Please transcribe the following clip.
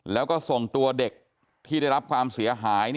แล้วก็ส่งตัวเด็กที่ได้รับความเสียหาย